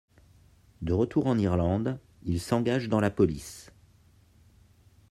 De retour en Irlande, il s'engage dans la police.